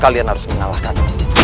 kalian harus mengalahkan